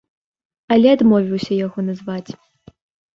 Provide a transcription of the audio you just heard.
Але адмовіўся яго назваць.